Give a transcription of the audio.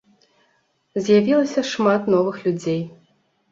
З'явілася шмат новых людзей.